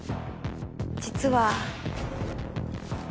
実は。